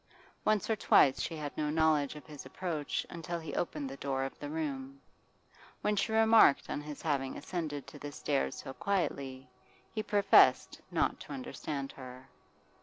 Once or twice she had no knowledge of his approach until he opened the door of the room; when she remarked on his having ascended the stairs so quietly, he professed not to understand her.